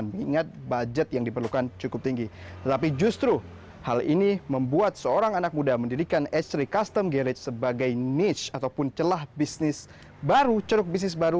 memiliki budget terbatas